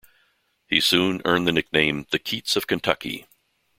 He soon earned the nickname the "Keats of Kentucky".